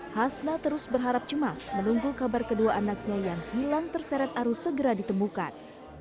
hasna terus berharap cemas menunggu kabar kedua anaknya yang hilang terseret arus segera ditemukan